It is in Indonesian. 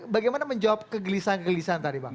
bagaimana menjawab kegelisahan kegelisahan tadi bang